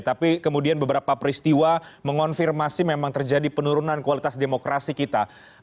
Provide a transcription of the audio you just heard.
tapi kemudian beberapa peristiwa mengonfirmasi memang terjadi penurunan kualitas demokrasi kita